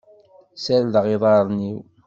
Ssardeɣ iḍarren-iw.